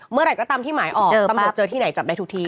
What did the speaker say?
เมื่อไหร่ก็ตามที่หมายออกตำรวจเจอที่ไหนจับได้ทุกที